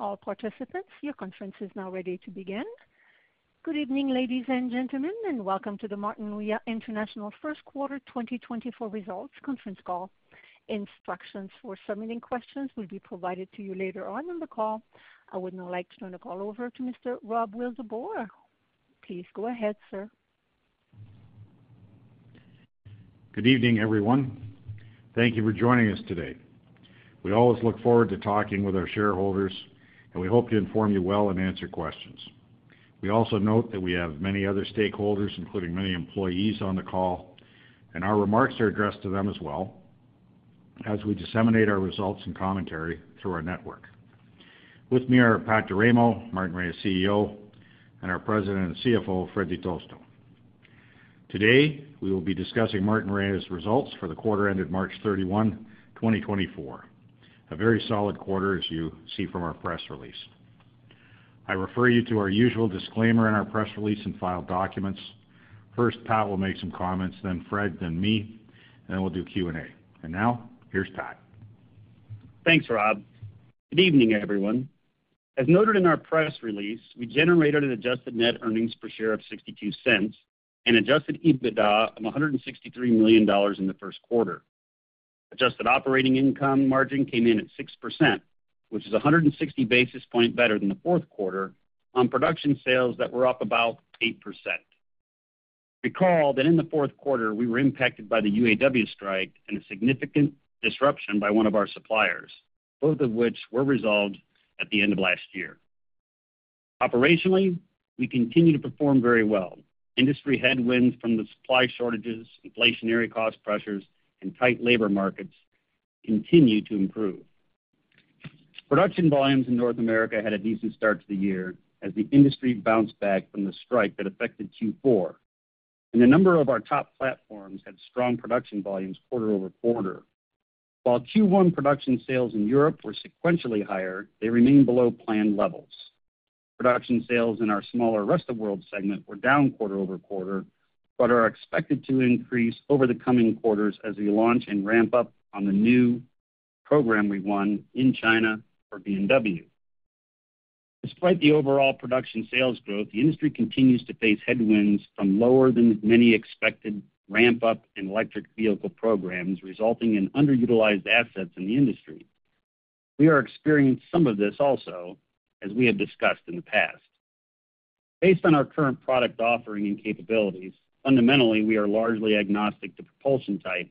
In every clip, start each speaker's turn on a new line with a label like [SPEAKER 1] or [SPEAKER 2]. [SPEAKER 1] All participants, your conference is now ready to begin. Good evening, ladies and gentlemen, and welcome to the Martinrea International First Quarter 2024 Results Conference Call. Instructions for submitting questions will be provided to you later on in the call. I would now like to turn the call over to Mr. Rob Wildeboer. Please go ahead, sir.
[SPEAKER 2] Good evening, everyone. Thank you for joining us today. We always look forward to talking with our shareholders, and we hope to inform you well and answer questions. We also note that we have many other stakeholders, including many employees, on the call, and our remarks are addressed to them as well as we disseminate our results and commentary through our network. With me are Pat D'Eramo,; Martinrea's CEO, and our President and CFO; Fred Di Tosto. Today, we will be discussing Martinrea's results for the quarter ended March 31, 2024, a very solid quarter, as you see from our press release. I refer you to our usual disclaimer in our press release and file documents. First, Pat will make some comments, then Fred, then me, and then we'll do Q&A. Now, here's Pat.
[SPEAKER 3] Thanks, Rob. Good evening, everyone. As noted in our press release, we generated an adjusted net earnings per share of 0.62 and Adjusted EBITDA of 163 million dollars in the first quarter. Adjusted operating income margin came in at 6%, which is 160 basis points better than the fourth quarter on production sales that were up about 8%. Recall that in the fourth quarter, we were impacted by the UAW strike and a significant disruption by one of our suppliers, both of which were resolved at the end of last year. Operationally, we continue to perform very well. Industry headwinds from the supply shortages, inflationary cost pressures, and tight labor markets continue to improve. Production volumes in North America had a decent start to the year as the industry bounced back from the strike that affected Q4, and a number of our top platforms had strong production volumes quarter-over-quarter. While Q1 production sales in Europe were sequentially higher, they remained below planned levels. Production sales in our smaller Rest of World segment were down quarter-over-quarter, but are expected to increase over the coming quarters as we launch and ramp up on the new program we won in China for BMW. Despite the overall production sales growth, the industry continues to face headwinds from lower than many expected ramp-up in electric vehicle programs, resulting in underutilized assets in the industry. We are experiencing some of this also, as we have discussed in the past. Based on our current product offering and capabilities, fundamentally, we are largely agnostic to propulsion type,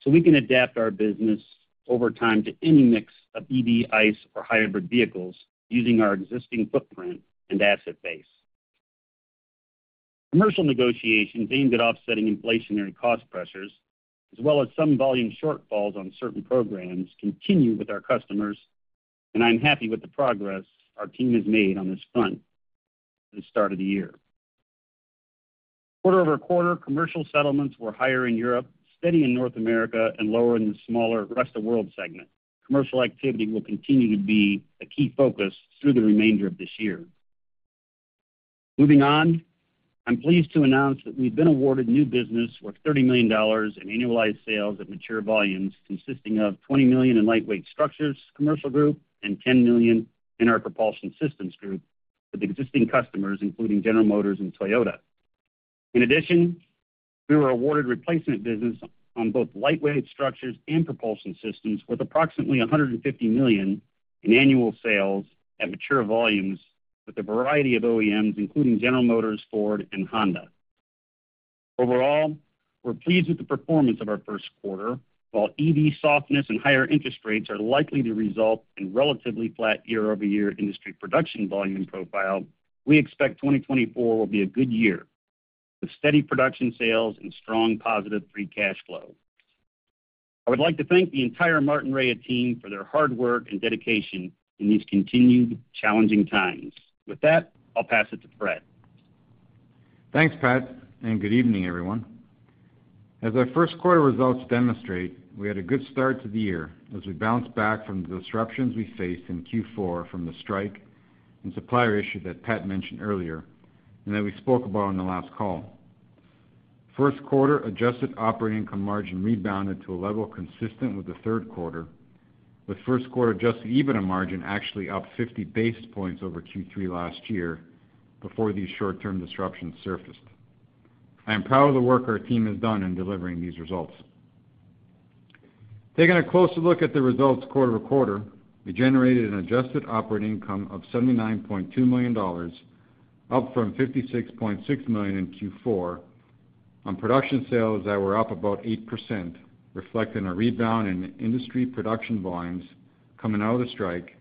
[SPEAKER 3] so we can adapt our business over time to any mix of EV, ICE, or hybrid vehicles using our existing footprint and asset base. Commercial negotiations aimed at offsetting inflationary cost pressures, as well as some volume shortfalls on certain programs, continue with our customers, and I'm happy with the progress our team has made on this front at the start of the year. Quarter-over-quarter, commercial settlements were higher in Europe, steady in North America, and lower in the smaller Rest of World segment. Commercial activity will continue to be a key focus through the remainder of this year. Moving on, I'm pleased to announce that we've been awarded new business worth 30 million dollars in annualized sales at mature volumes, consisting of 20 million in Lightweight Structures commercial group and 10 million in our Propulsion Systems group, with existing customers, including General Motors and Toyota. In addition, we were awarded replacement business on both Lightweight Structures and Propulsion Systems, with approximately 150 million in annual sales at mature volumes, with a variety of OEMs, including General Motors, Ford, and Honda. Overall, we're pleased with the performance of our first quarter. While EV softness and higher interest rates are likely to result in relatively flat year-over-year industry production volume profile, we expect 2024 will be a good year with steady production sales and strong positive free cash flow. I would like to thank the entire Martinrea team for their hard work and dedication in these continued challenging times. With that, I'll pass it to Fred.
[SPEAKER 4] Thanks, Pat, and good evening, everyone. As our first quarter results demonstrate, we had a good start to the year as we bounced back from the disruptions we faced in Q4 from the strike and supplier issue that Pat mentioned earlier and that we spoke about on the last call. First quarter adjusted operating income margin rebounded to a level consistent with the third quarter, with first quarter adjusted EBITDA margin actually up 50 basis points over Q3 last year before these short-term disruptions surfaced. I am proud of the work our team has done in delivering these results. Taking a closer look at the results quarter-over-quarter, we generated an Adjusted Operating Income of 79.2 million dollars, up from 56.6 million in Q4, on production sales that were up about 8%, reflecting a rebound in industry production volumes coming out of the strike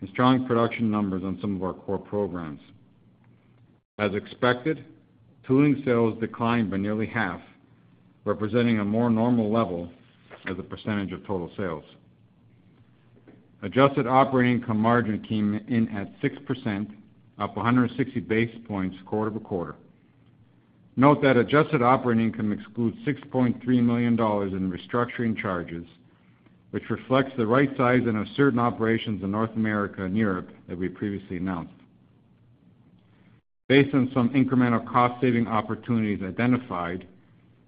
[SPEAKER 4] and strong production numbers on some of our core programs. As expected, tooling sales declined by nearly half, representing a more normal level as a percentage of total sales. Adjusted Operating Income Margin came in at 6%, up 160 basis points quarter-over-quarter. Note that adjusted operating income excludes 6.3 million dollars in restructuring charges, which reflects the right-sizing of certain operations in North America and Europe that we previously announced. Based on some incremental cost-saving opportunities identified,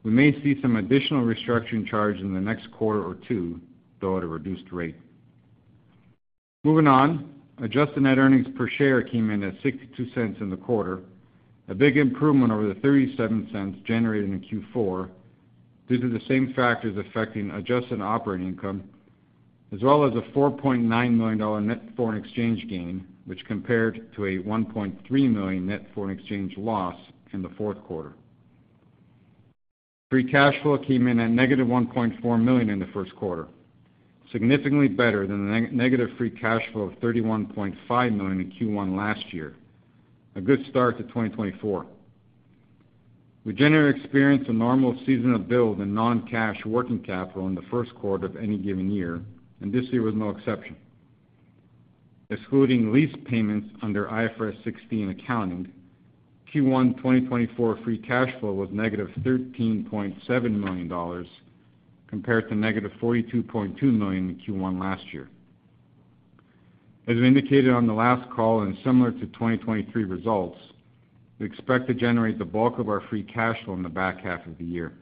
[SPEAKER 4] we may see some additional restructuring charge in the next quarter or two, though at a reduced rate. Moving on, adjusted net earnings per share came in at 0.62 in the quarter, a big improvement over the 0.37 generated in Q4, due to the same factors affecting adjusted operating income, as well as a 4.9 million dollar net foreign exchange gain, which compared to a 1.3 million net foreign exchange loss in the fourth quarter. Free cash flow came in at negative 1.4 million in the first quarter, significantly better than the negative free cash flow of 31.5 million in Q1 last year, a good start to 2024. We generally experience a normal seasonal build in non-cash working capital in the first quarter of any given year, and this year was no exception. Excluding lease payments under IFRS 16 accounting, Q1 2024 free cash flow was negative 13.7 million dollars, compared to negative 42.2 million in Q1 last year. As indicated on the last call and similar to 2023 results, we expect to generate the bulk of our free cash flow in the back half of the year.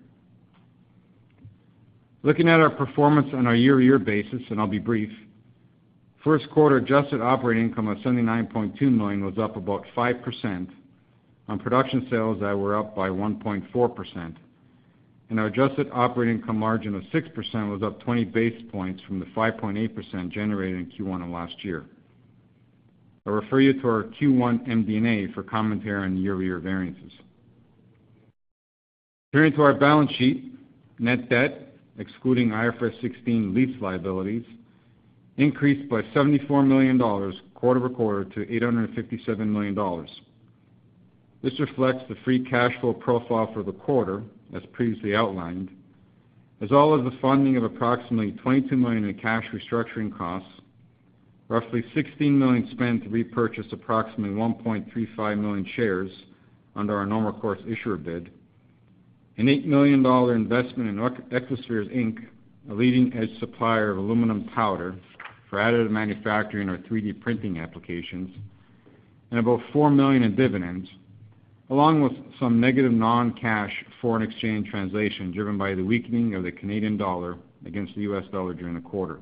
[SPEAKER 4] Looking at our performance on a year-over-year basis, and I'll be brief, first quarter adjusted operating income of 79.2 million was up about 5% on production sales that were up by 1.4%, and our adjusted operating income margin of 6% was up 20 basis points from the 5.8% generated in Q1 of last year. I refer you to our Q1 MD&A for commentary on year-over-year variances. Turning to our balance sheet, net debt, excluding IFRS 16 lease liabilities, increased by 74 million dollars quarter-over-quarter to 857 million dollars. This reflects the free cash flow profile for the quarter, as previously outlined, as well as the funding of approximately 22 million in cash restructuring costs, roughly 16 million spent to repurchase approximately 1.35 million shares under our normal course issuer bid, a 8 million dollar investment in Equispheres Inc, a leading-edge supplier of aluminum powder for additive manufacturing or 3D printing applications, and about 4 million in dividends, along with some negative non-cash foreign exchange translation, driven by the weakening of the Canadian dollar against the U.S. dollar during the quarter.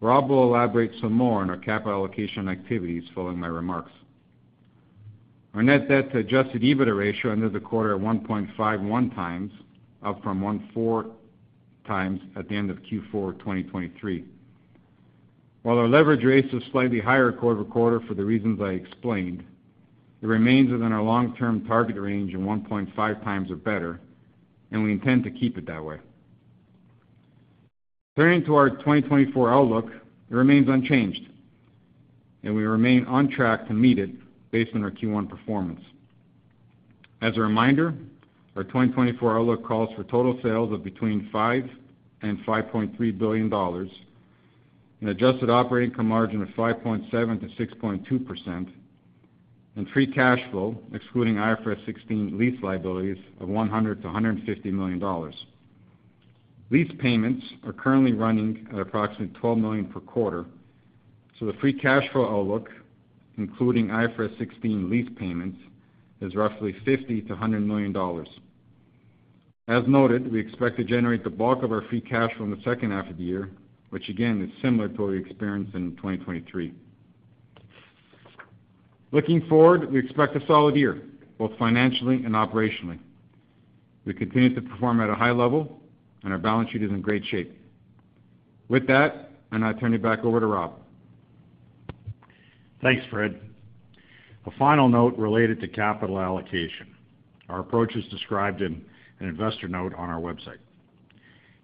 [SPEAKER 4] Rob will elaborate some more on our capital allocation activities following my remarks. Our net debt to Adjusted EBITDA ratio ended the quarter at 1.51x, up from 1.4x at the end of Q4 2023. While our leverage rates are slightly higher quarter-over-quarter for the reasons I explained, it remains within our long-term target range of 1.5x or better, and we intend to keep it that way. Turning to our 2024 outlook, it remains unchanged, and we remain on track to meet it based on our Q1 performance. As a reminder, our 2024 outlook calls for total sales of between 5 billion and 5.3 billion dollars, an adjusted operating margin of 5.7%-6.2%, and free cash flow, excluding IFRS 16 lease liabilities, of 100 million-150 million dollars. Lease payments are currently running at approximately 12 million per quarter, so the free cash flow outlook, including IFRS 16 lease payments, is roughly 50 million-100 million dollars. As noted, we expect to generate the bulk of our free cash flow in the second half of the year, which again, is similar to what we experienced in 2023. Looking forward, we expect a solid year, both financially and operationally. We continue to perform at a high level, and our balance sheet is in great shape. With that, I now turn it back over to Rob.
[SPEAKER 2] Thanks, Fred. A final note related to capital allocation. Our approach is described in an investor note on our website.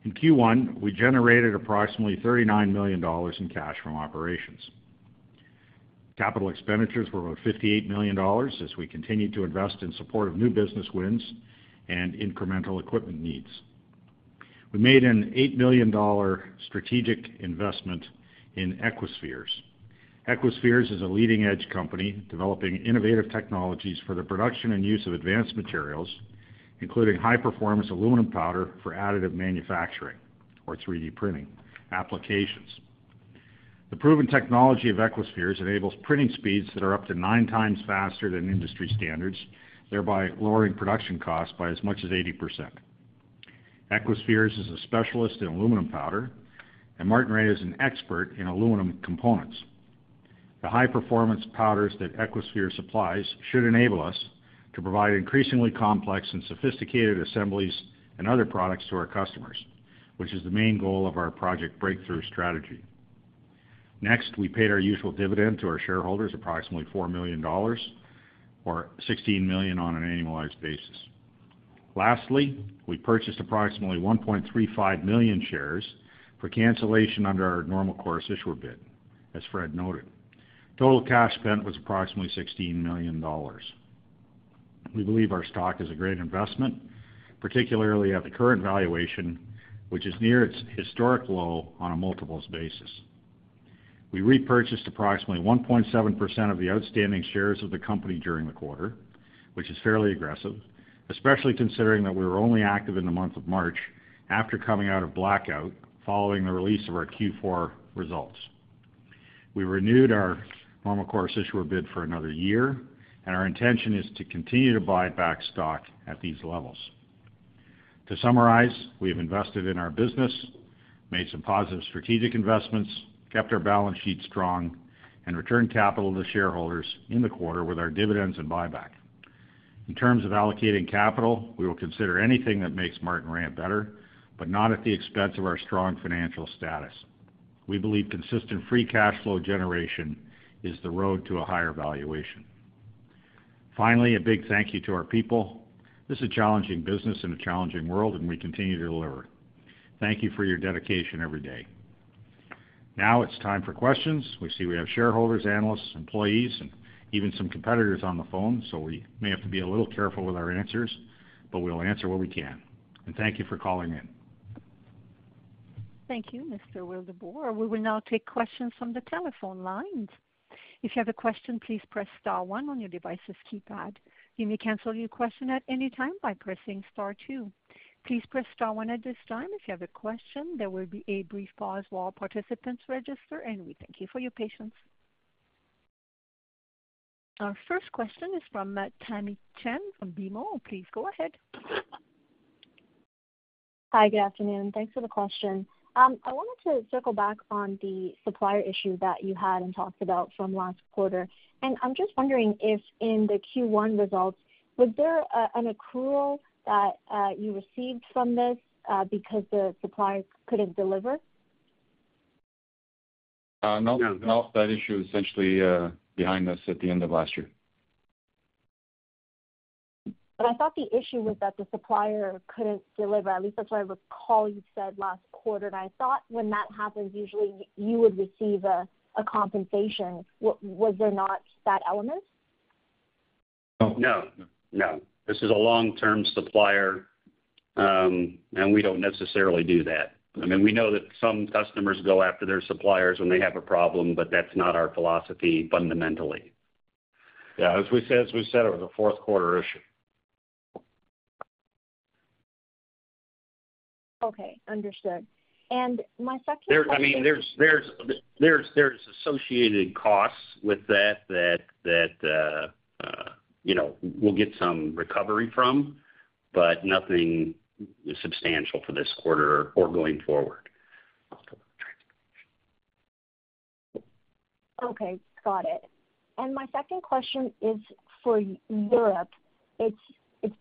[SPEAKER 2] In Q1, we generated approximately $39 million in cash from operations. Capital expenditures were about $58 million as we continued to invest in support of new business wins and incremental equipment needs. We made an $8 million strategic investment in Equispheres. Equispheres is a leading-edge company developing innovative technologies for the production and use of advanced materials, including high-performance aluminum powder for additive manufacturing or 3D printing applications. The proven technology of Equispheres enables printing speeds that are up to nine times faster than industry standards, thereby lowering production costs by as much as 80%. Equispheres is a specialist in aluminum powder, and Martinrea is an expert in aluminum components. The high-performance powders that Equispheres supplies should enable us to provide increasingly complex and sophisticated assemblies and other products to our customers, which is the main goal of our Project Breakthrough strategy. Next, we paid our usual dividend to our shareholders, approximately 4 million dollars, or 16 million on an annualized basis. Lastly, we purchased approximately 1.35 million shares for cancellation under our Normal Course Issuer Bid, as Fred noted. Total cash spent was approximately 16 million dollars. We believe our stock is a great investment, particularly at the current valuation, which is near its historic low on a multiples basis. We repurchased approximately 1.7% of the outstanding shares of the company during the quarter...... which is fairly aggressive, especially considering that we were only active in the month of March after coming out of blackout following the release of our Q4 results. We renewed our Normal Course Issuer Bid for another year, and our intention is to continue to buy back stock at these levels. To summarize, we have invested in our business, made some positive strategic investments, kept our balance sheet strong, and returned capital to shareholders in the quarter with our dividends and buyback. In terms of allocating capital, we will consider anything that makes Martinrea better, but not at the expense of our strong financial status. We believe consistent free cash flow generation is the road to a higher valuation. Finally, a big thank you to our people. This is a challenging business in a challenging world, and we continue to deliver. Thank you for your dedication every day. Now it's time for questions. We see we have shareholders, analysts, employees, and even some competitors on the phone, so we may have to be a little careful with our answers, but we'll answer what we can. Thank you for calling in.
[SPEAKER 1] Thank you, Mr. Wildeboer. We will now take questions from the telephone lines. If you have a question, please press star one on your device's keypad. You may cancel your question at any time by pressing star two. Please press star one at this time if you have a question. There will be a brief pause while participants register, and we thank you for your patience. Our first question is from Tamy Chen from BMO. Please go ahead.
[SPEAKER 5] Hi, good afternoon. Thanks for the question. I wanted to circle back on the supplier issue that you had and talked about from last quarter. I'm just wondering if in the Q1 results, was there an accrual that you received from this because the supplier couldn't deliver?
[SPEAKER 2] No, no. That issue is essentially behind us at the end of last year.
[SPEAKER 5] But I thought the issue was that the supplier couldn't deliver. At least that's what I recall you said last quarter. And I thought when that happens, usually you would receive a compensation. Was there not that element?
[SPEAKER 2] No, no. This is a long-term supplier, and we don't necessarily do that. I mean, we know that some customers go after their suppliers when they have a problem, but that's not our philosophy fundamentally. Yeah, as we said, as we said, it was a fourth quarter issue.
[SPEAKER 5] Okay, understood and my second question-
[SPEAKER 2] I mean, there's associated costs with that, you know, we'll get some recovery from, but nothing substantial for this quarter or going forward.
[SPEAKER 5] Okay, got it and my second question is for Europe. It's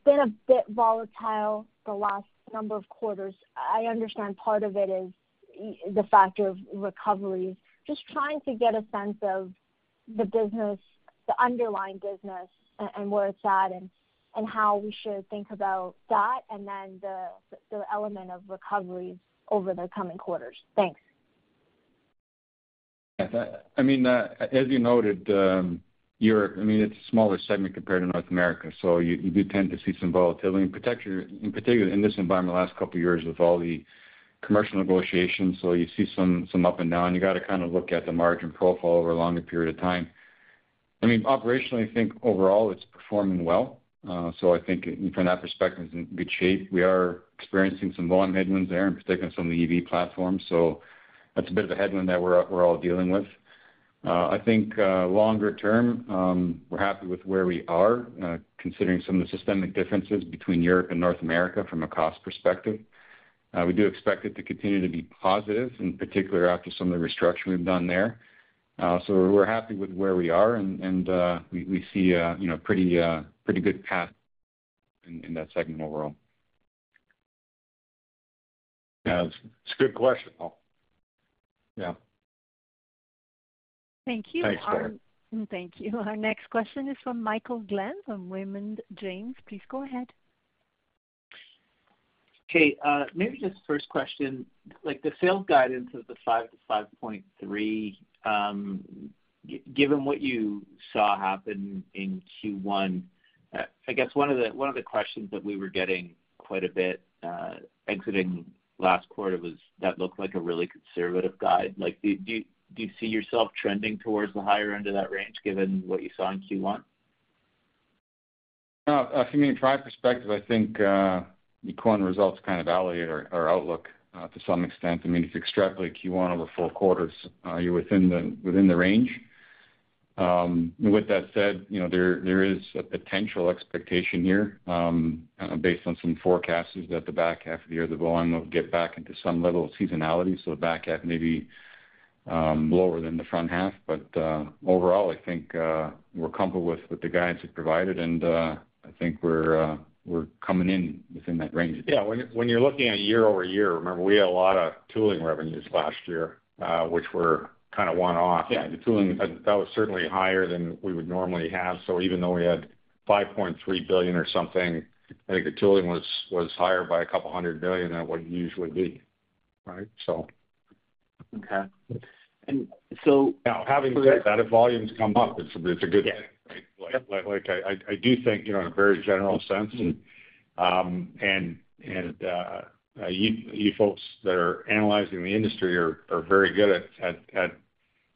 [SPEAKER 5] been a bit volatile the last number of quarters. I understand part of it is the factor of recovery. Just trying to get a sense of the business, the underlying business and where it's at and how we should think about that, and then the element of recovery over the coming quarters. Thanks.
[SPEAKER 4] I mean, as you noted, Europe, I mean, it's a smaller segment compared to North America, so you do tend to see some volatility, in particular in this environment the last couple of years with all the commercial negotiations. So you see some up and down, you got to kind of look at the margin profile over a longer period of time. I mean, operationally, I think overall it's performing well. So I think from that perspective, it's in good shape. We are experiencing some volume headwinds there, in particular on some of the EV platforms. So that's a bit of a headwind that we're all dealing with. I think, longer term, we're happy with where we are, considering some of the systemic differences between Europe and North America from a cost perspective. We do expect it to continue to be positive, in particular after some of the restructuring we've done there. So we're happy with where we are, and we see a, you know, pretty pretty good path in that segment overall. Yeah, it's a good question. Yeah.
[SPEAKER 5] Thank you.
[SPEAKER 4] Thanks, Tammy.
[SPEAKER 1] Thank you. Our next question is from Michael Glen from Raymond James. Please go ahead.
[SPEAKER 6] Hey, maybe just first question, like the sales guidance of 5.0 billion-5.3 billion, given what you saw happen in Q1, I guess one of the, one of the questions that we were getting quite a bit, exiting last quarter was that looked like a really conservative guide. Like, do you, do you see yourself trending towards the higher end of that range given what you saw in Q1?
[SPEAKER 2] No, I mean, from my perspective, I think, the Q1 results kind of validate our, our outlook, to some extent. I mean, if you extrapolate Q1 over four quarters, you're within the, within the range. With that said, you know, there, there is a potential expectation here, based on some forecasts, is that the back half of the year, the volume will get back into some level of seasonality, so the back half may be, lower than the front half. But, overall, I think, we're comfortable with, with the guidance we provided, and, I think we're, we're coming in within that range. Yeah. When, when you're looking at year-over-year, remember, we had a lot of tooling revenues last year, which were kind of one-off. Yeah. The tooling, that was certainly higher than we would normally have. So even though we had 5.3 billion or something, I think the tooling was higher by 200 billion than it would usually be. Right? So...
[SPEAKER 6] Okay. And so-
[SPEAKER 2] Now, having said that, if volumes come up, it's a good thing, right?
[SPEAKER 6] Yeah.
[SPEAKER 2] Like I do think, you know, in a very general sense, you folks that are analyzing the industry are very good at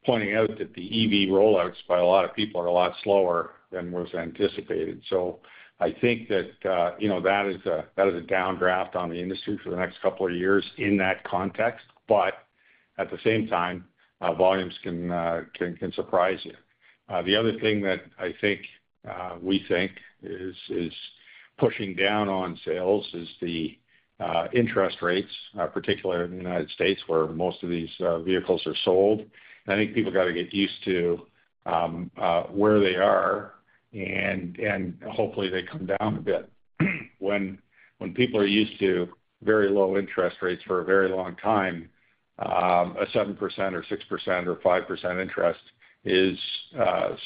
[SPEAKER 2] pointing out that the EV rollouts by a lot of people are a lot slower than was anticipated. So I think that, you know, that is a downdraft on the industry for the next couple of years in that context. But at the same time, volumes can surprise you. The other thing that I think we think is pushing down on sales is the interest rates, particularly in the United States, where most of these vehicles are sold. And I think people got to get used to where they are, and hopefully they come down a bit. When people are used to very low interest rates for a very long time, a 7% or 6% or 5% interest is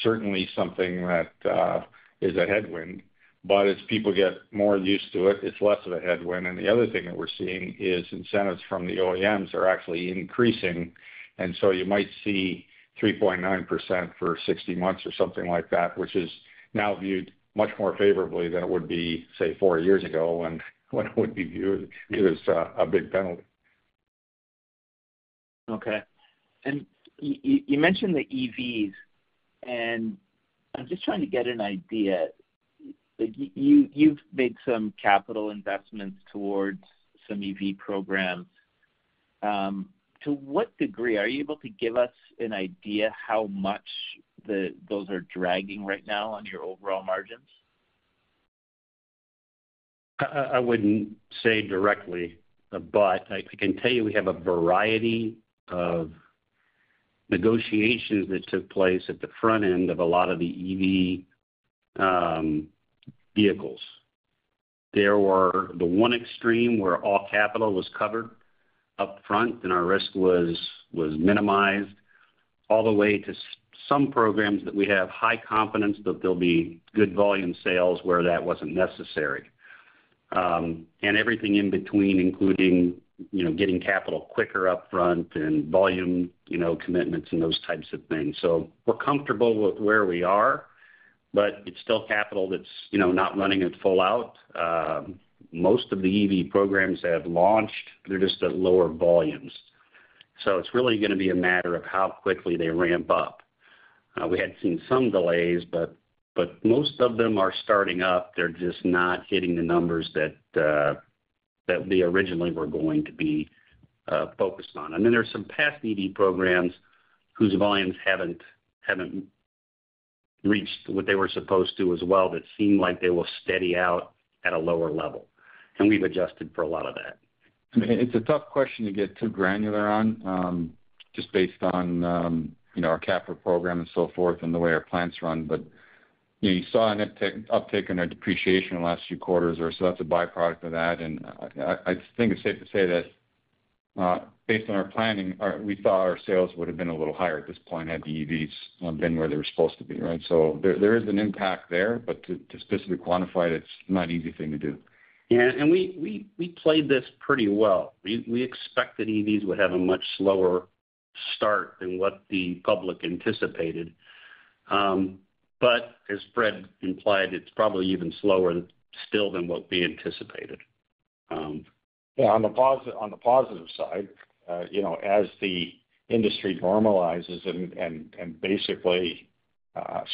[SPEAKER 2] certainly something that is a headwind. But as people get more used to it, it's less of a headwind. And the other thing that we're seeing is incentives from the OEMs are actually increasing, and so you might see 3.9% for 60 months or something like that, which is now viewed much more favorably than it would be, say, four years ago, when it would be viewed as a big penalty.
[SPEAKER 6] Okay. And you mentioned the EVs, and I'm just trying to get an idea. You've made some capital investments towards some EV programs. To what degree are you able to give us an idea how much those are dragging right now on your overall margins?
[SPEAKER 3] I wouldn't say directly, but I can tell you we have a variety of negotiations that took place at the front end of a lot of the EV vehicles. There were the one extreme, where all capital was covered upfront, and our risk was minimized, all the way to some programs that we have high confidence that there'll be good volume sales where that wasn't necessary. And everything in between, including, you know, getting capital quicker up front and volume, you know, commitments and those types of things. So we're comfortable with where we are, but it's still capital that's, you know, not running at full out. Most of the EV programs that have launched, they're just at lower volumes. So it's really gonna be a matter of how quickly they ramp up. We had seen some delays, but most of them are starting up. They're just not hitting the numbers that that they originally were going to be focused on. And then there's some past EV programs whose volumes haven't reached what they were supposed to as well, that seem like they will steady out at a lower level, and we've adjusted for a lot of that.
[SPEAKER 4] I mean, it's a tough question to get too granular on, just based on, you know, our capital program and so forth and the way our plants run. But you saw an uptick in our depreciation in the last few quarters or so. That's a byproduct of that, and I think it's safe to say that, based on our planning, we thought our sales would have been a little higher at this point had the EVs been where they were supposed to be, right? So there is an impact there, but to specifically quantify it, it's not an easy thing to do.
[SPEAKER 3] Yeah, and we played this pretty well. We expected EVs would have a much slower start than what the public anticipated. But as Fred implied, it's probably even slower still than what we anticipated.
[SPEAKER 2] Yeah, on the positive side, you know, as the industry normalizes and basically, I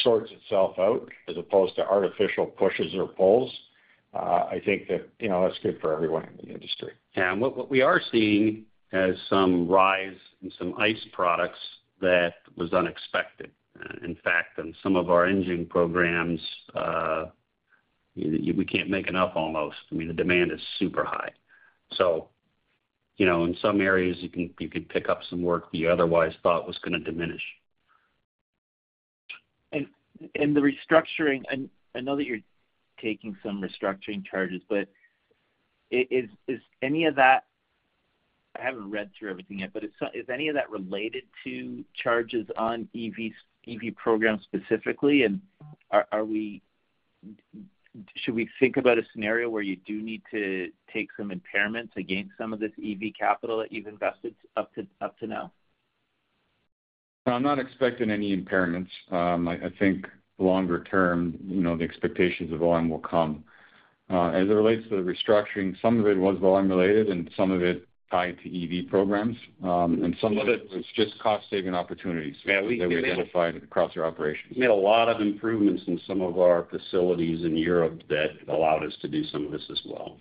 [SPEAKER 2] think that, you know, that's good for everyone in the industry.
[SPEAKER 3] Yeah, and what we are seeing is some rise in some ICE products that was unexpected. In fact, in some of our engine programs, we can't make enough almost. I mean, the demand is super high. So, you know, in some areas you can pick up some work you otherwise thought was gonna diminish.
[SPEAKER 6] And the restructuring, and I know that you're taking some restructuring charges, but is any of that... I haven't read through everything yet, but is any of that related to charges on EV, EV programs specifically? And are we, should we think about a scenario where you do need to take some impairments against some of this EV capital that you've invested up to now?
[SPEAKER 4] I'm not expecting any impairments. I think longer term, you know, the expectations of volume will come. As it relates to the restructuring, some of it was volume-related, and some of it tied to EV programs, and some of it was just cost-saving opportunities-
[SPEAKER 3] Yeah, we-
[SPEAKER 4] -that we identified across our operations.
[SPEAKER 3] We made a lot of improvements in some of our facilities in Europe that allowed us to do some of this as well.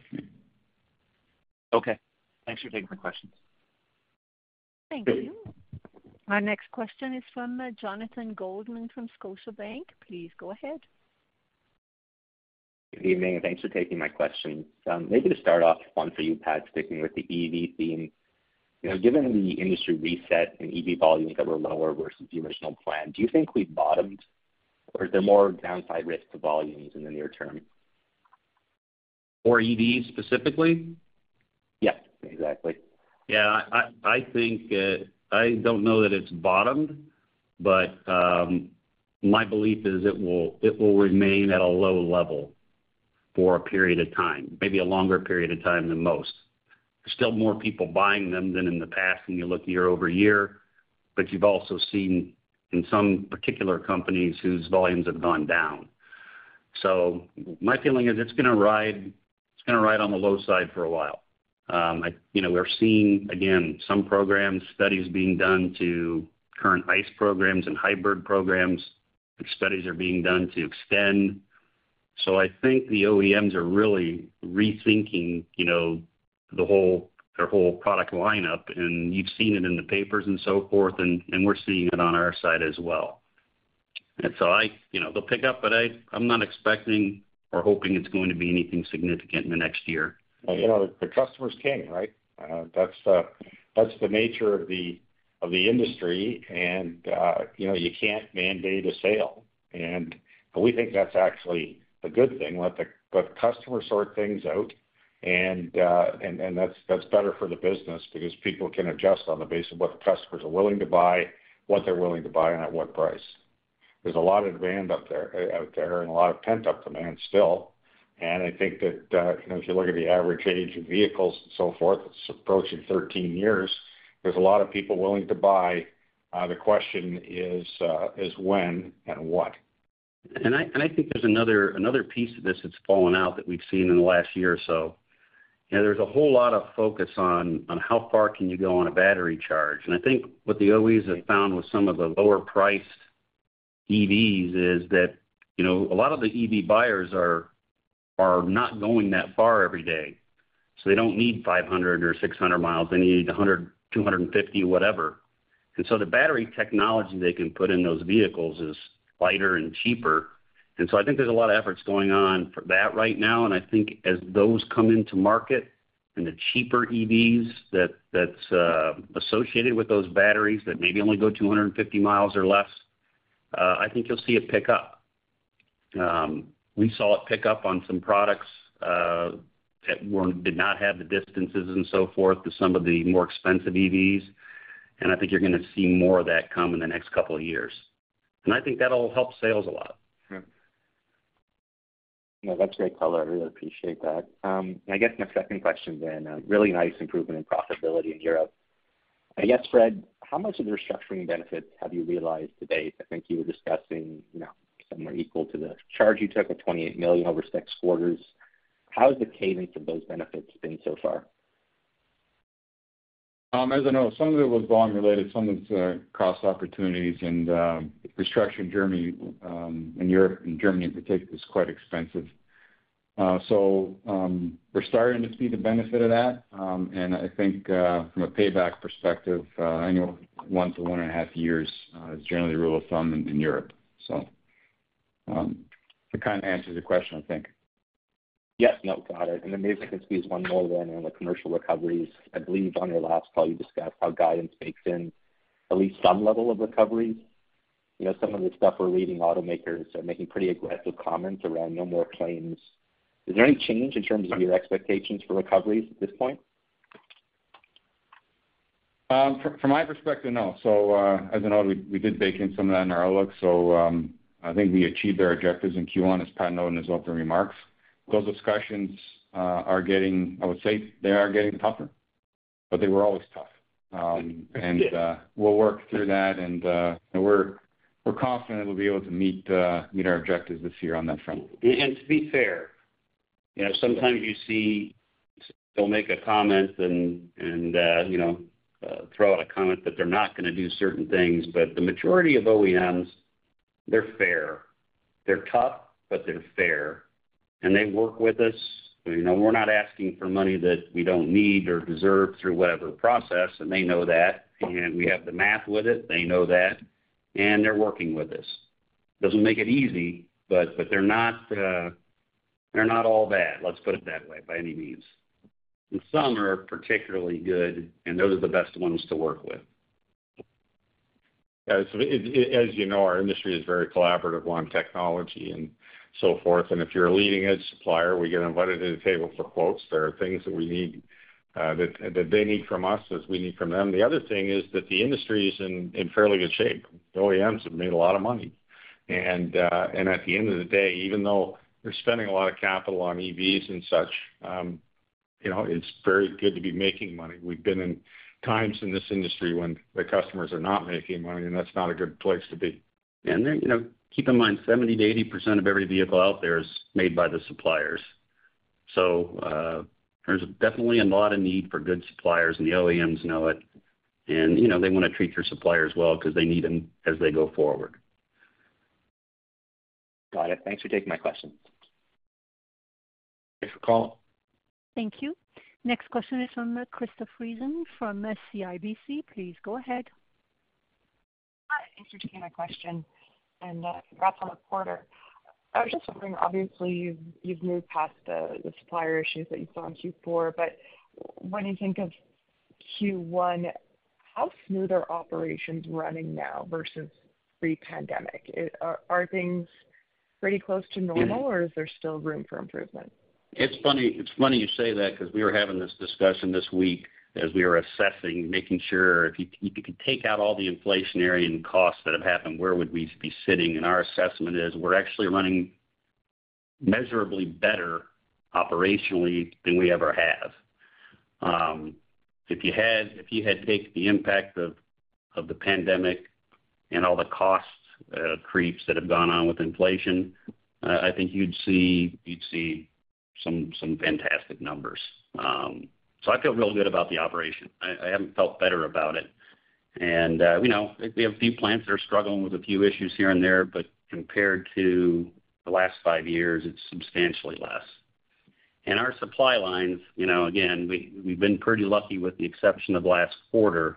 [SPEAKER 6] Okay. Thanks for taking my questions.
[SPEAKER 1] Thank you. Our next question is from Jonathan Goldman from Scotiabank. Please go ahead.
[SPEAKER 7] Good evening, and thanks for taking my question. Maybe to start off, one for you, Pat, sticking with the EV theme. You know, given the industry reset and EV volumes that were lower versus the original plan, do you think we've bottomed, or is there more downside risk to volumes in the near term?
[SPEAKER 3] For EVs, specifically?
[SPEAKER 7] Yes, exactly.
[SPEAKER 3] Yeah, I think I don't know that it's bottomed, but my belief is it will, it will remain at a low level for a period of time, maybe a longer period of time than most. There's still more people buying them than in the past when you look year-over-year, but you've also seen in some particular companies whose volumes have gone down. So my feeling is it's gonna ride, it's gonna ride on the low side for a while. You know, we're seeing, again, some programs, studies being done to current ICE programs and hybrid programs, studies are being done to extend. So I think the OEMs are really rethinking, you know, the whole, their whole product lineup, and you've seen it in the papers and so forth, and we're seeing it on our side as well. And so, you know, they'll pick up, but I'm not expecting or hoping it's going to be anything significant in the next year.
[SPEAKER 7] Well, you know, the customer's king, right? That's the nature of the industry, and, you know, you can't mandate a sale. We think that's actually a good thing. Let the customer sort things out, and, that's better for the business because people can adjust on the basis of what the customers are willing to buy, what they're willing to buy, and at what price. There's a lot of demand up there, out there, and a lot of pent-up demand still. I think that, you know, if you look at the average age of vehicles and so forth, it's approaching 13 years. There's a lot of people willing to buy. The question is, is when and what?
[SPEAKER 3] And I think there's another piece to this that's fallen out that we've seen in the last year or so. You know, there's a whole lot of focus on how far can you go on a battery charge. And I think what the OEs have found with some of the lower-priced EVs is that, you know, a lot of the EV buyers are not going that far every day. So they don't need 500 or 600 mi. They need 100, 250, whatever. And so the battery technology they can put in those vehicles is lighter and cheaper. And so I think there's a lot of efforts going on for that right now. And I think as those come into market and the cheaper EVs that’s associated with those batteries that maybe only go 250 miles or less, I think you’ll see it pick up. We saw it pick up on some products that did not have the distances and so forth to some of the more expensive EVs, and I think you’re gonna see more of that come in the next couple of years. And I think that’ll help sales a lot.
[SPEAKER 2] Hmm.
[SPEAKER 7] Yeah, that's great color. I really appreciate that. And I guess my second question then, really nice improvement in profitability in Europe. I guess, Fred, how much of the restructuring benefits have you realized to date? I think you were discussing, you know, somewhere equal to the charge you took of 28 million over six quarters. How has the cadence of those benefits been so far?
[SPEAKER 4] As I know, some of it was volume related, some of it's cost opportunities, and restructuring in Germany, in Europe, in Germany in particular, is quite expensive. So, we're starting to see the benefit of that. And I think, from a payback perspective, annual 1-1.5 years is generally the rule of thumb in Europe. So, that kind of answers your question, I think.
[SPEAKER 7] Yes. No, got it. And then maybe I can squeeze one more then on the commercial recoveries. I believe on your last call, you discussed how guidance bakes in at least some level of recovery. You know, some of the stuff we're reading, automakers are making pretty aggressive comments around no more claims. Is there any change in terms of your expectations for recoveries at this point?
[SPEAKER 2] From my perspective, no. As I know, we did bake in some of that in our outlook. I think we achieved our objectives in Q1, as Pat noted in his opening remarks. Those discussions are getting... I would say they are getting tougher, but they were always tough. And we're confident we'll be able to meet our objectives this year on that front.
[SPEAKER 3] And to be fair, you know, sometimes you see they'll make a comment and throw out a comment that they're not gonna do certain things, but the majority of OEMs, they're fair. They're tough, but they're fair, and they work with us. You know, we're not asking for money that we don't need or deserve through whatever process, and they know that. And we have the math with it, they know that, and they're working with us. Doesn't make it easy, but they're not all bad, let's put it that way, by any means. And some are particularly good, and those are the best ones to work with.
[SPEAKER 2] Yeah, so as you know, our industry is very collaborative on technology and so forth, and if you're a leading-edge supplier, we get invited to the table for quotes. There are things that we need, that they need from us, as we need from them. The other thing is that the industry is in fairly good shape. The OEMs have made a lot of money. And at the end of the day, even though they're spending a lot of capital on EVs and such, you know, it's very good to be making money. We've been in times in this industry when the customers are not making money, and that's not a good place to be.
[SPEAKER 3] And then, you know, keep in mind, 70%-80% of every vehicle out there is made by the suppliers. So, there's definitely a lot of need for good suppliers, and the OEMs know it. And, you know, they wanna treat their suppliers well because they need them as they go forward.
[SPEAKER 7] Got it. Thanks for taking my question.
[SPEAKER 2] Thanks for calling.
[SPEAKER 1] Thank you. Next question is from Krista Friesen from CIBC. Please go ahead.
[SPEAKER 8] Thanks for taking my question, and, congrats on the quarter. I was just wondering, obviously, you've moved past the supplier issues that you saw in Q4, but when you think of Q1, how smooth are operations running now versus pre-pandemic? Are things pretty close to normal, or is there still room for improvement?
[SPEAKER 3] It's funny, it's funny you say that, because we were having this discussion this week as we were assessing, making sure if you, if you could take out all the inflationary and costs that have happened, where would we be sitting? And our assessment is we're actually running measurably better operationally than we ever have. If you had, if you had taken the impact of the pandemic and all the cost creeps that have gone on with inflation, I think you'd see, you'd see some fantastic numbers. So I feel real good about the operation. I, I haven't felt better about it. And you know, we have a few plants that are struggling with a few issues here and there, but compared to the last five years, it's substantially less. Our supply lines, you know, again, we, we've been pretty lucky with the exception of last quarter.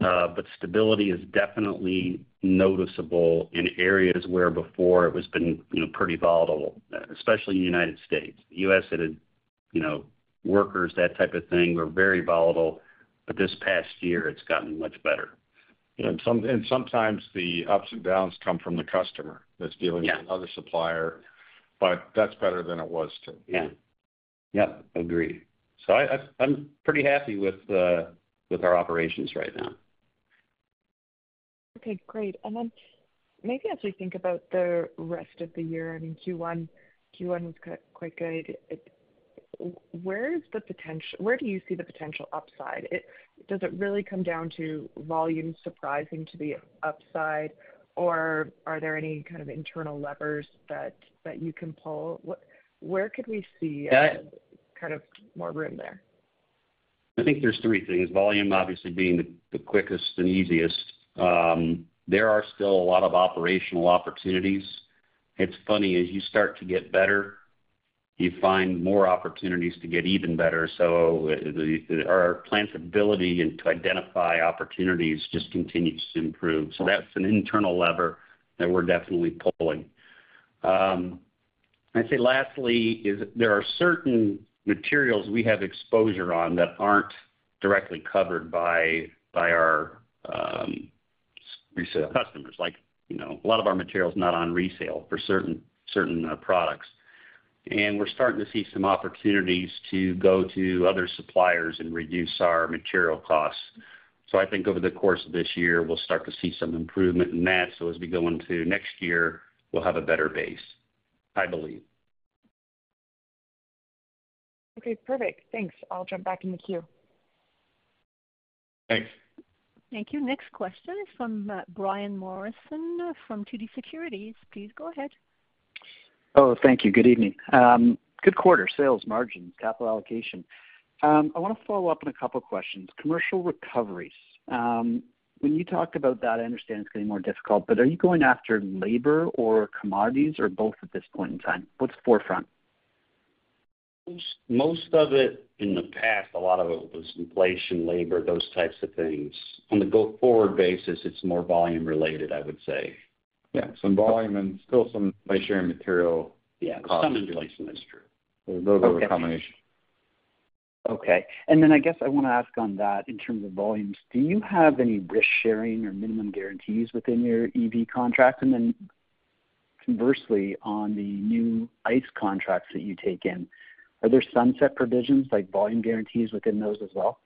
[SPEAKER 3] But stability is definitely noticeable in areas where before it was been, you know, pretty volatile, especially in the United States, U.S. had, you know, workers, that type of thing, were very volatile, but this past year, it's gotten much better.
[SPEAKER 2] And sometimes the ups and downs come from the customer that's dealing-
[SPEAKER 3] Yeah...
[SPEAKER 2] with another supplier, but that's better than it was, too.
[SPEAKER 3] Yeah. Yep, agreed. So, I'm pretty happy with our operations right now.
[SPEAKER 8] Okay, great. And then maybe as we think about the rest of the year, I mean, Q1 was quite good. Where do you see the potential upside? It... Does it really come down to volume surprising to the upside, or are there any kind of internal levers that you can pull? What, where could we see kind of more room there?
[SPEAKER 3] I think there's three things. Volume, obviously, being the quickest and easiest. There are still a lot of operational opportunities. It's funny, as you start to get better, you find more opportunities to get even better. So our plan's ability to identify opportunities just continues to improve. So that's an internal lever that we're definitely pulling. I'd say lastly, there are certain materials we have exposure on that aren't directly covered by our resale customers. Like, you know, a lot of our material is not on resale for certain products. And we're starting to see some opportunities to go to other suppliers and reduce our material costs. So I think over the course of this year, we'll start to see some improvement in that. So as we go into next year, we'll have a better base, I believe.
[SPEAKER 8] Okay, perfect. Thanks. I'll jump back in the queue.
[SPEAKER 2] Thanks.
[SPEAKER 1] Thank you. Next question is from Brian Morrison from TD Securities. Please go ahead.
[SPEAKER 9] Oh, thank you. Good evening. Good quarter sales margin, capital allocation. I want to follow up on a couple of questions. Commercial recoveries. When you talked about that, I understand it's getting more difficult, but are you going after labor or commodities or both at this point in time? What's forefront?
[SPEAKER 3] Most, most of it in the past, a lot of it was inflation, labor, those types of things. On the go-forward basis, it's more volume-related, I would say.
[SPEAKER 2] Yeah, some volume and still some price sharing material costs.
[SPEAKER 3] Yeah, some inflation, that's true.
[SPEAKER 2] Those are a combination.
[SPEAKER 9] Okay. And then I guess I want to ask on that in terms of volumes, do you have any risk sharing or minimum guarantees within your EV contracts? And then conversely, on the new ICE contracts that you take in, are there sunset provisions, like volume guarantees within those as well?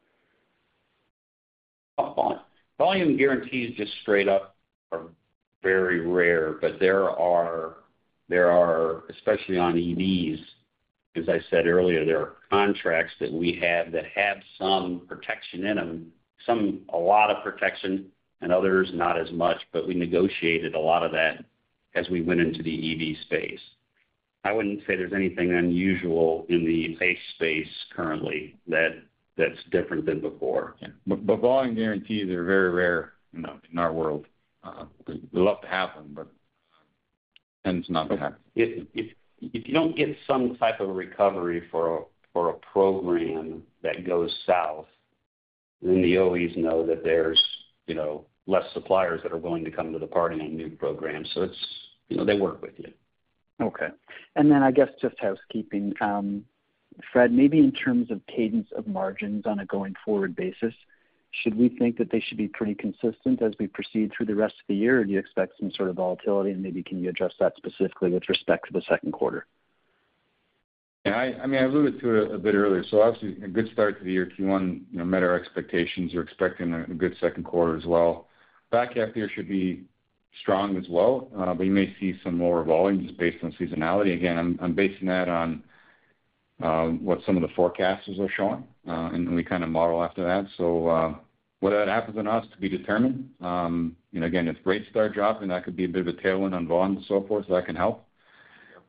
[SPEAKER 3] Volume guarantees just straight up are very rare, but there are, especially on EVs, as I said earlier, there are contracts that we have that have some protection in them, some a lot of protection, and others not as much, but we negotiated a lot of that as we went into the EV space. I wouldn't say there's anything unusual in the EV space currently that's different than before.
[SPEAKER 2] Yeah, but volume guarantees are very rare, you know, in our world. We'd love to have them, but tends not to happen.
[SPEAKER 3] If you don't get some type of a recovery for a program that goes south, then the OEs know that there's, you know, less suppliers that are willing to come to the party on a new program. So it's... You know, they work with you.
[SPEAKER 9] Okay. And then I guess, just housekeeping, Fred, maybe in terms of cadence of margins on a going-forward basis, should we think that they should be pretty consistent as we proceed through the rest of the year? Or do you expect some sort of volatility, and maybe can you address that specifically with respect to the second quarter?
[SPEAKER 4] Yeah, I mean, I alluded to it a bit earlier, so obviously a good start to the year. Q1, you know, met our expectations. We're expecting a good second quarter as well. Back half year should be strong as well, but you may see some lower volumes based on seasonality. Again, I'm basing that on what some of the forecasters are showing, and then we kinda model after that. So, whether that happens or not, it's to be determined. You know, again, if rates start dropping, that could be a bit of a tailwind on volume and so forth, so that can help.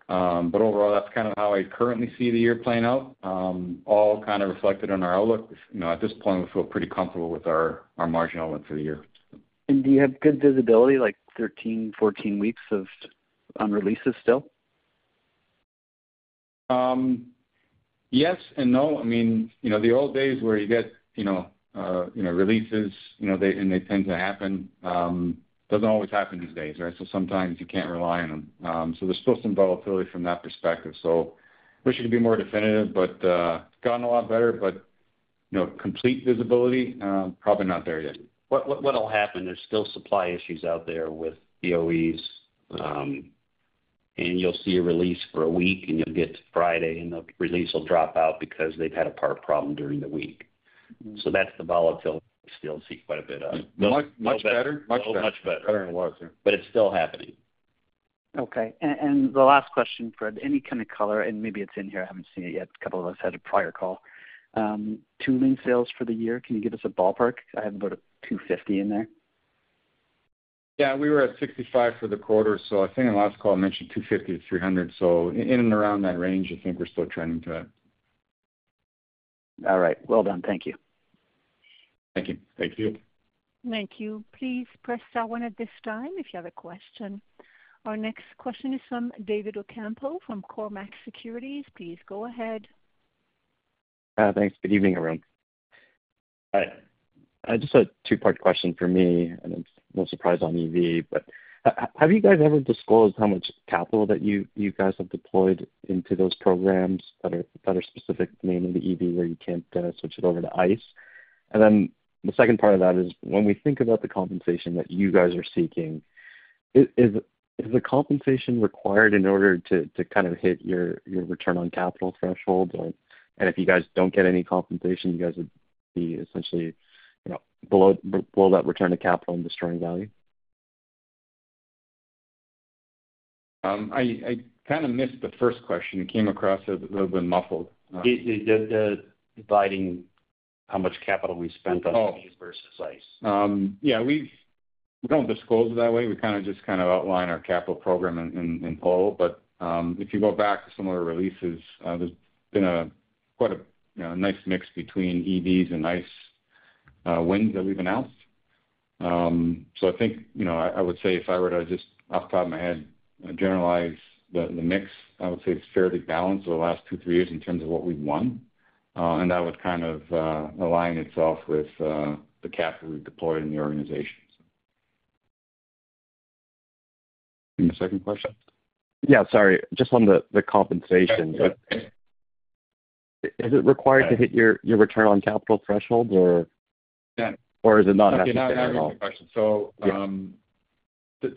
[SPEAKER 4] But overall, that's kind of how I currently see the year playing out, all kind of reflected in our outlook. You know, at this point, we feel pretty comfortable with our margin outlook for the year.
[SPEAKER 9] Do you have good visibility, like 13, 14 weeks of, on releases still?
[SPEAKER 4] Yes and no. I mean, you know, the old days where you get, you know, you know, releases, you know, they and they tend to happen, doesn't always happen these days, right? So sometimes you can't rely on them. So there's still some volatility from that perspective. So wish it could be more definitive, but, gotten a lot better, but, you know, complete visibility, probably not there yet.
[SPEAKER 3] What will happen, there's still supply issues out there with the OEs, and you'll see a release for a week, and you'll get to Friday, and the release will drop out because they've had a part problem during the week. So that's the volatility we still see quite a bit of.
[SPEAKER 4] Much, much better.
[SPEAKER 3] Much better.
[SPEAKER 4] Better than it was, yeah.
[SPEAKER 3] But it's still happening....
[SPEAKER 9] Okay. And the last question, Fred, any kind of color, and maybe it's in here, I haven't seen it yet. A couple of us had a prior call. Tooling sales for the year, can you give us a ballpark? I have about a 250 million in there.
[SPEAKER 4] Yeah, we were at 65 for the quarter, so I think in the last call I mentioned 250-300. So in and around that range, I think we're still trending to that.
[SPEAKER 9] All right. Well done. Thank you.
[SPEAKER 4] Thank you.
[SPEAKER 2] Thank you.
[SPEAKER 1] Thank you. Please press star one at this time if you have a question. Our next question is from David Ocampo from Cormark Securities. Please go ahead.
[SPEAKER 10] Thanks. Good evening, everyone. I just had a two-part question for me, and it's no surprise on EV, but have you guys ever disclosed how much capital that you guys have deployed into those programs that are specific, mainly to EV, where you can't switch it over to ICE? And then the second part of that is, when we think about the compensation that you guys are seeking, is the compensation required in order to kind of hit your return on capital threshold? Or, and if you guys don't get any compensation, you guys would be essentially, you know, below that return to capital and destroying value?
[SPEAKER 2] I kind of missed the first question. It came across as a little bit muffled. The dividing how much capital we spent on versus ICE. Yeah, we don't disclose it that way. We kind of just kind of outline our capital program in whole. But if you go back to some of our releases, there's been quite a, you know, a nice mix between EVs and ICE wins that we've announced. So I think, you know, I would say if I were to just, off the top of my head, generalize the mix, I would say it's fairly balanced for the last two, three years in terms of what we've won. And that would kind of align itself with the capital we deployed in the organization. And the second question?
[SPEAKER 10] Yeah, sorry. Just on the compensation.
[SPEAKER 2] Yeah.
[SPEAKER 10] Is it required to hit your return on capital threshold, or?
[SPEAKER 2] Yeah.
[SPEAKER 10] Or does it not have to be at all?
[SPEAKER 2] Okay, now I have your question.
[SPEAKER 10] Yeah.
[SPEAKER 2] So,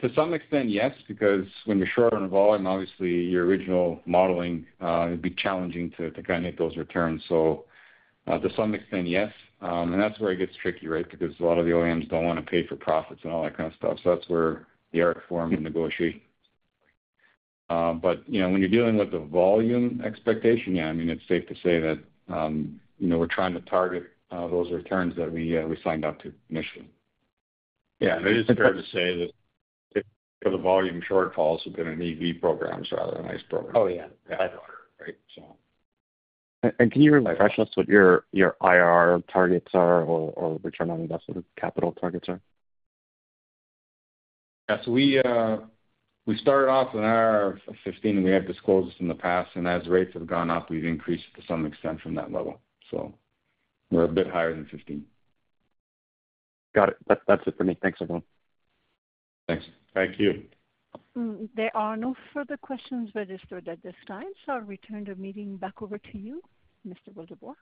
[SPEAKER 2] to some extent, yes, because when you're short on volume, obviously, your original modeling, it'd be challenging to kind of hit those returns. So, to some extent, yes. And that's where it gets tricky, right? Because a lot of the OEMs don't want to pay for profits and all that kind of stuff. So that's where the art form in negotiating. But, you know, when you're dealing with the volume expectation, yeah, I mean, it's safe to say that, you know, we're trying to target those returns that we signed up to initially. Yeah, and it is fair to say that if the volume shortfalls have been in EV programs rather than ICE programs.
[SPEAKER 10] Oh, yeah. A lot harder, right? So. And can you refresh us what your, your IR targets are or, or return on invested capital targets are?
[SPEAKER 4] Yeah. So we started off with IR of 15, and we have disclosed this in the past, and as rates have gone up, we've increased to some extent from that level. So we're a bit higher than 15.
[SPEAKER 10] Got it. That's, that's it for me. Thanks, everyone.
[SPEAKER 2] Thanks. Thank you.
[SPEAKER 1] There are no further questions registered at this time, so I'll return the meeting back over to you, Mr. Wildeboer.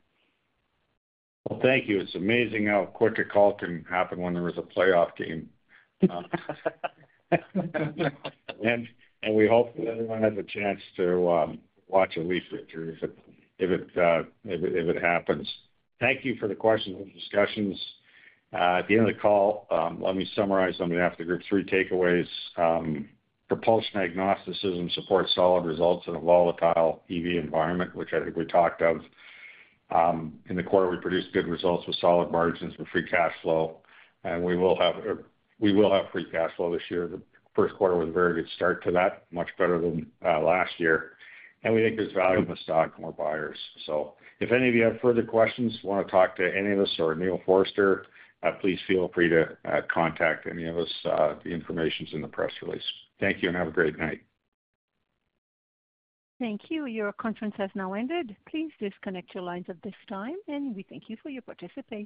[SPEAKER 2] Well, thank you. It's amazing how quick a call can happen when there is a playoff game. We hope that everyone has a chance to watch a Leaf victory, if it happens. Thank you for the questions and discussions. At the end of the call, let me summarize on behalf of the group three takeaways. Propulsion agnosticism supports solid results in a volatile EV environment, which I think we talked of. In the quarter, we produced good results with solid margins and free cash flow, and we will have free cash flow this year. The first quarter was a very good start to that, much better than last year, and we think there's value in the stock and more buyers. So if any of you have further questions, want to talk to any of us or Neil Forster, please feel free to contact any of us. The information is in the press release. Thank you, and have a great night.
[SPEAKER 1] Thank you. Your conference has now ended. Please disconnect your lines at this time, and we thank you for your participation.